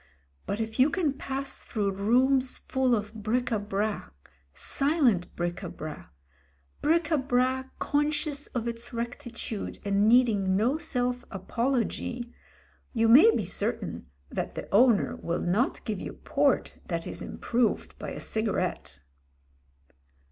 But if you can pass through rooms full of bric a brac — silent bric a brac: bric a brac conscious of its rectitude and needing no self apology 9 you may be certain that the owner will not give you port that is improved by a cigarette.